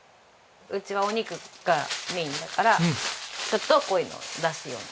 うちはお肉がメインだからちょっとこういうのを出すように。